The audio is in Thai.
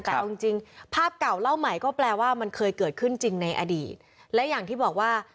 แต่เอาจริงจริงภาพเก่าเล่าใหม่ก็แปลว่ามันเคยเกิดขึ้นจริงในอดีตและอย่างที่บอกว่า